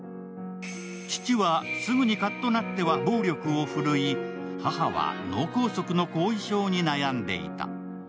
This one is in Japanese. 父はすぐにカッとなっては暴力を振るい、母は脳梗塞の後遺症に悩んでいた。